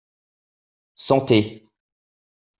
Santé !